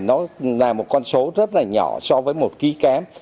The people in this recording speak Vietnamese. nó là một con số rất là nhỏ so với một ký kém